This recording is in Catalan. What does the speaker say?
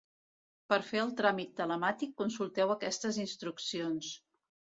Per fer el tràmit telemàtic consulteu aquestes instruccions.